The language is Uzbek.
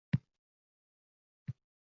Ular adabiyotni ham bildi.